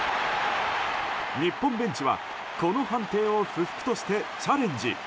日本ベンチは、この判定を不服としてチャレンジ。